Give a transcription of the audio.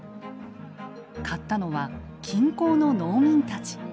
買ったのは近郊の農民たち。